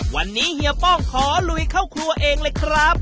วันนี้เฮียป้องขอลุยเข้าครัวเองเลยครับ